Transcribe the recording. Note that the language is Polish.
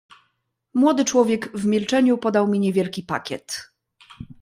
"Młody człowiek w milczeniu podał mi niewielki pakiet."